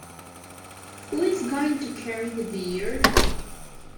Who is going to carry the beer?